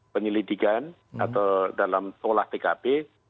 penyelidikan atau dalam tolah pkp